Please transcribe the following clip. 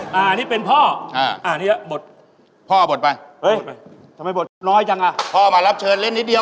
เฮ่ยไอ้ชายเหรอเฮ่ย